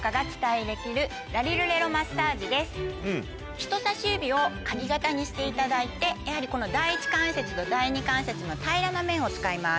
人さし指をカギ形にしていただいてやはりこの第１関節と第２関節の平らな面を使います。